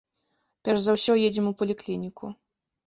Перш за ўсё едзем у паліклініку.